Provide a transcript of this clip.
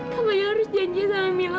kak fadil harus janji sama mila